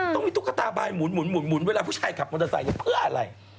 ต้องมีตุ๊กตาบายหมุนเวลาผู้ชายขับมอเตอร์ไซค์เพื่ออะไร